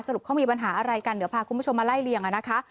รุปเขามีปัญหาอะไรกันเดี๋ยวพาคุณผู้ชมมาไล่เลี่ยงอ่ะนะคะ